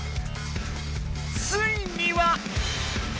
ついには。